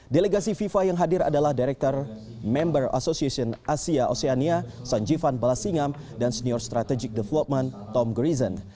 delegasi fifa yang hadir adalah director member association asia oceania sanjivan balasingam dan senior strategic development tom gurison